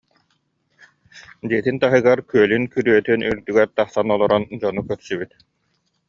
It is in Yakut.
Дьиэтин таһыгар кулун күрүөтүн үрдүгэр тахсан олорон дьону көрсүбүт